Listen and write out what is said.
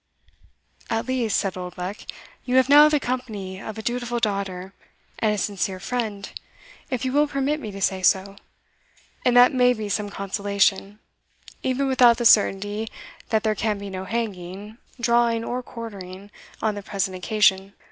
"At least," said Oldbuck, "you have now the company of a dutiful daughter, and a sincere friend, if you will permit me to say so, and that may be some consolation, even without the certainty that there can be no hanging, drawing, or quartering, on the present occasion.